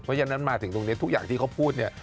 เพราะฉะนั้นมาถึงตรงนี้ทุกอย่างที่เขาพูดเนี่ย